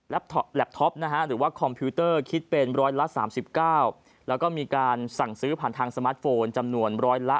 แล็บทหรือว่าคอมพิวเตอร์คิดเป็นร้อยละ๓๙แล้วก็มีการสั่งซื้อผ่านทางสมาร์ทโฟนจำนวนร้อยละ